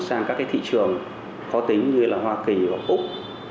sang các cái thị trường khó tính như là hoa kỳ và úc